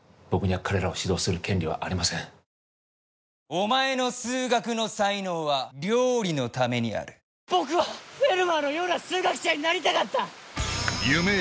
お前の数学の才能は料理のためにある僕はフェルマーのような数学者になりたかった！